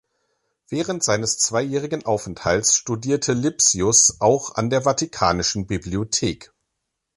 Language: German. Während seines zweijährigen Aufenthalts studierte Lipsius auch an der Vatikanischen Bibliothek.